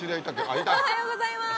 おはようございます！